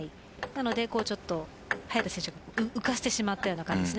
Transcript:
なのでちょっと早田選手が浮かせてしまったような感じです。